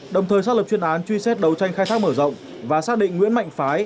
đồng thời xác lập chuyên án truy xét đấu tranh khai thác mở rộng và xác định nguyễn mạnh phái